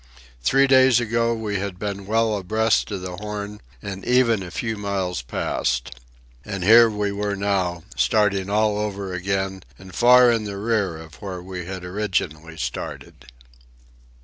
Three days ago we had been well abreast of the Horn and even a few miles past. And here we were now, starting all over again and far in the rear of where we had originally started.